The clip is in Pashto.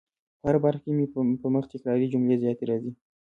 په هره برخه کي مي په مخ تکراري جملې زیاتې راځي